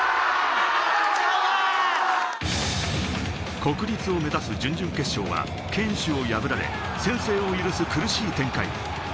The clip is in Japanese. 国立を目指す準々決勝は堅守を破られ、先制を許す苦しい展開。